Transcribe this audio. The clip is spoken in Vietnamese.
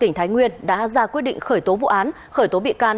nguyên đã ra quyết định khởi tố vụ án khởi tố bị can